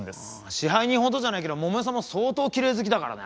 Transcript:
支配人ほどじゃないけど桃代さんも相当きれい好きだからね。